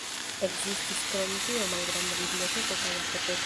Ekzistis krom tio malgranda biblioteko kaj apoteko.